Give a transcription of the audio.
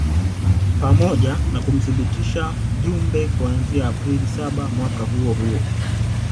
pamoja na kumthibitisha Jumbe kuanzia Aprili saba mwaka huo huo